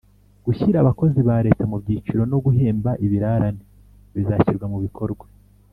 gushyira abakozi ba leta mu byiciro no guhemba ibirarane bizashyirwa mu bikorwa